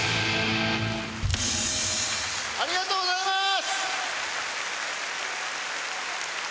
ありがとうございます！